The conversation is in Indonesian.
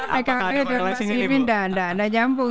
pkb di mas imin tidak ada yang nyambung